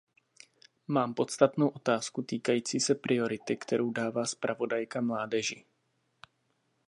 Mám podstatnou otázku týkající se priority, kterou dává zpravodajka mládeži.